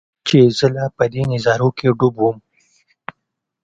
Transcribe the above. چې زۀ لا پۀ دې نظارو کښې ډوب ووم